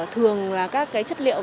thường là các chất liệu